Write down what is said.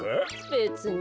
べつに。